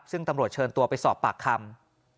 ซึ่งตำรวจเชิญตัวไปสอบปากคำ